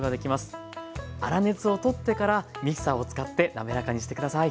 粗熱を取ってからミキサーを使って滑らかにして下さい。